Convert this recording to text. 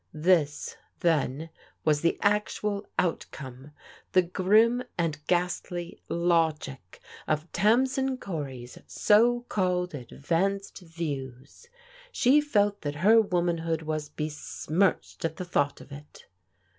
This, then, was the actual outcome, the g^m and ghastly logic, of Tamsin Cory's so called advanced views. She felt that her womanhood was besmirched at the thought of it.